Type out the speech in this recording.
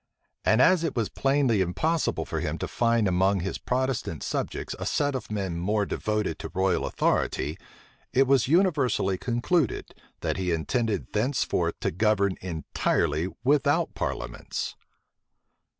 And as it was plainly impossible for him to find among his Protestant subjects a set of men more devoted to royal authority, it was universally concluded, that he intended thenceforth to govern entirely without parliaments.